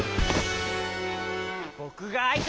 ぼくがあいてだ！